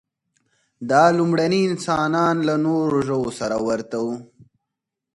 دا لومړني انسانان له نورو ژوو سره ورته وو.